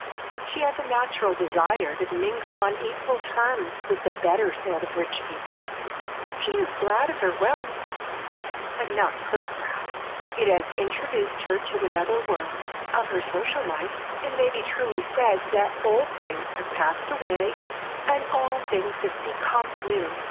She has a natural desire to mingle on equal terms with the better sort of rich people. She is glad of her wealth, but not purse proud. It has introduced her to another world. Of her social life it may be truly said that old things have passed away and all things have become new.